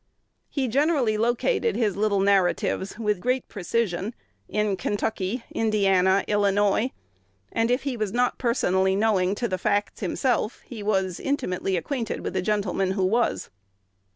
He generally located his little narratives with great precision, in Kentucky, Indiana, Illinois; and if he was not personally "knowing" to the facts himself, he was intimately acquainted with a gentleman who was.